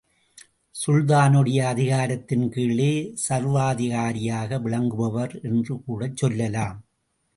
சுல்தானுடைய அதிகாரத்தின் கீழே, சர்வாதிகாரியாக விளங்குபவர் என்று கூடச் சொல்லலாம்.